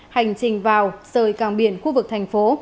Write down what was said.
hành trình vào rời càng biển khu vực thành phố